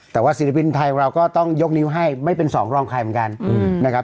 แต่ว่าศิลปินไทยเราก็ต้องยกนิ้วให้ไม่เป็นสองรองใครเหมือนกันนะครับ